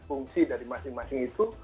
fungsi dari masing masing itu